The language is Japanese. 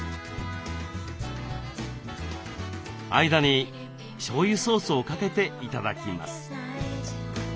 間にしょうゆソースをかけて頂きます。